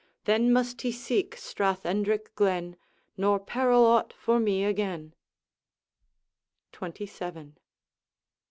Then must he seek Strath Endrick glen Nor peril aught for me again.' XXVII.